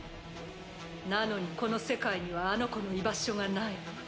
なのにこの世界にはあの子の居場所がない。